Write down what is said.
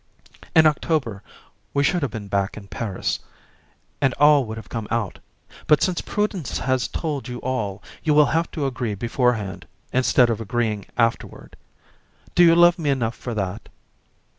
In October we should have been back in Paris, and all would have come out; but since Prudence has told you all, you will have to agree beforehand, instead of agreeing afterward. Do you love me enough for that?"